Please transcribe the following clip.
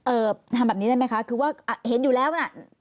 ทำแบบนี้ได้ไหมคะคือว่าเห็นอยู่แล้วน่ะ